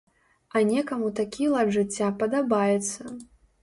А некаму такі лад жыцця падабаецца.